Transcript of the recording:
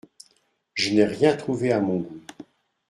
Je n'ai rien trouvé à mon goût.